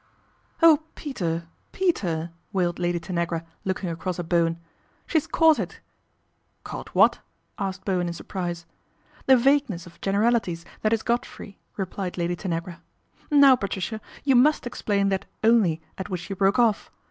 "Oh, Peter, Peter!" wailed Lady Tanagi looking across at Bowen " She's caught it." " Caught what ?'" asked Bowen in surprise. * The vagueness of generalities that is Go frey," replied Lady Tanagra, "Now, Patria you must explain that ' only ' at which you bro off.